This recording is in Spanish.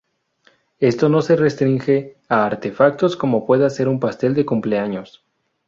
Esto no se restringe a artefactos como pueda ser un pastel de cumpleaños.